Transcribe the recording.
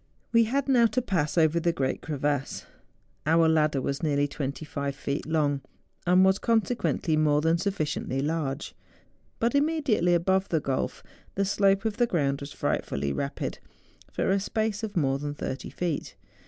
We had now to pass over the great crevasse. Our ladder was nearly 25 feet long, and was, conse¬ quently, more than sufficiently large. But imme¬ diately above the gulf, the slope of the ground was frightfully rapid, for a space of more than thirty feet.